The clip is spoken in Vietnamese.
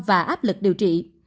và áp lực điều trị